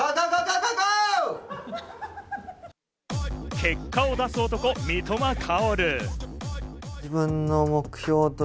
結果を出す男・三笘薫。